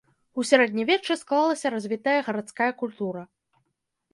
У сярэднявеччы склалася развітая гарадская культура.